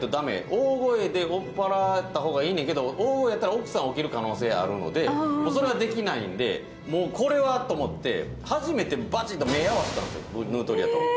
大声で追っ払った方がいいんだけど、大声やったら奥さん起きる可能性あるので、それはできないので、これはと思って初めてバチッとヌートリアと目を合わせたんです。